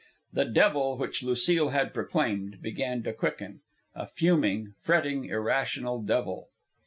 The devil, which Lucile had proclaimed, began to quicken, a fuming, fretting, irrational devil.